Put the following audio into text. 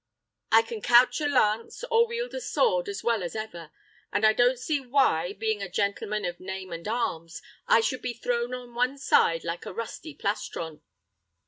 I can couch a lance, or wield a sword as well as ever, and I don't see why, being a gentleman of name and arms, I should be thrown on one side like a rusty plastron."